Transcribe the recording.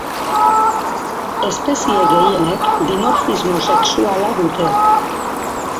Espezie gehienek dimorfismo sexuala dute.